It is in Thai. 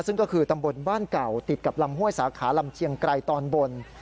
ซึ่งก็คือตำบลบ้านเก่าติดกับลำห้วยสาขาลำเชียงไกรตอนบน